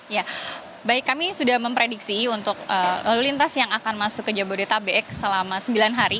ya baik kami sudah memprediksi untuk lalu lintas yang akan masuk ke jabodetabek selama sembilan hari